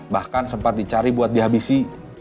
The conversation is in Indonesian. bahkan sempat dicari buat dihabisi